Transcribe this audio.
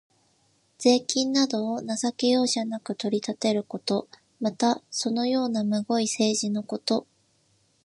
税金などを情け容赦なく取り立てること。また、そのようなむごい政治のこと。